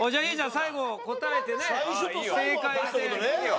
最後答えてね正解して。